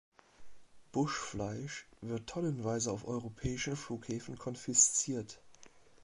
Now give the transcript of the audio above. Buschfleisch wird tonnenweise auf europäischen Flughäfen konfisziert.